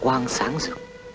kéo ngại em đi